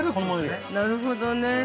◆なるほどね。